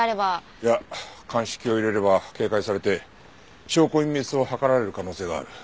いや鑑識を入れれば警戒されて証拠隠滅を図られる可能性がある。